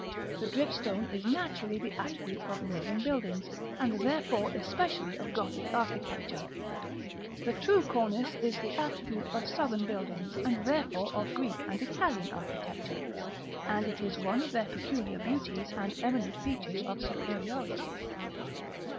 The dripstone is naturally the attribute of Northern buildings, and therefore especially of Gothic architecture; the true cornice is the attribute of Southern buildings, and therefore of Greek and Italian architecture; and it is one of their peculiar beauties, and eminent features of superiority.